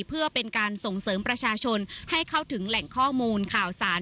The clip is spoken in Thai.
เพื่อเป็นการส่งเสริมประชาชนให้เข้าถึงแหล่งข้อมูลข่าวสาร